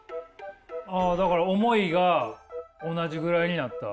あだから思いが同じぐらいになった。